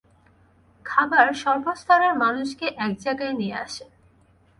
খাবার সর্বস্তরের মানুষকে একজায়গায় নিয়ে আসে।